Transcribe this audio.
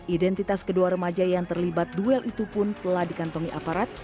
identitas kedua remaja yang terlibat duel itu pun telah dikantongi aparat